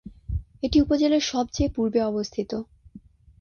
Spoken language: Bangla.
এটি উপজেলার সবচেয়ে পূর্বে অবস্থিত।